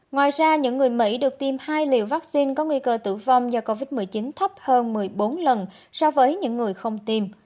ngoài ra những người mỹ được tiêm hai liều vaccine có nguy cơ tử vong do covid một mươi chín thấp hơn một mươi bốn lần so với những người không tiêm